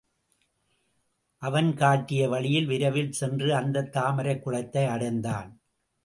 அவன் காட்டிய வழியில் விரைவில் சென்று அந்தத் தாமரைக் குளத்தை அடைந்தான்.